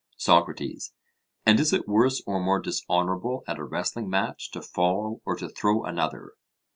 SOCRATES: And is it worse or more dishonourable at a wrestling match, to fall, or to throw another?